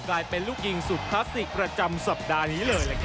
กลายเป็นลูกยิงสุดพลาสติกประจำสัปดาห์นี้เลย